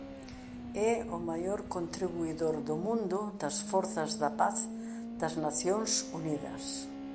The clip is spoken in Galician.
É o maior contribuidor do mundo das Forzas da paz das Nacións Unidas.